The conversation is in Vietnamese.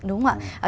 đúng không ạ